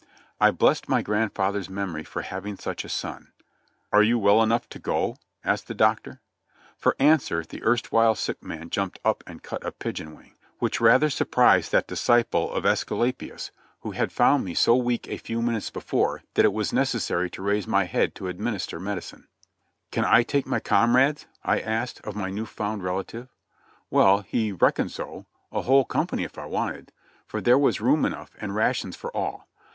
I blessed my grandfather's memory for having such a son. "Are you well enough to go?" asked the Doctor. For answer, the erstwhile sick man jumped up and cut a pigeon wing, which rather surprised that disciple of Esculapius, who had THE FAT AND I,EAN OF A SOI^DIFR S UFF II3 found me so weak a few minutes before that it was necessary to raise my head to administer medicine. "Can I take my comrades?" I asked of my new found relative. Well, he "reckoned so" — a whole company if I wanted, there was room enough, and rations for all.